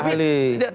saya tidak ahli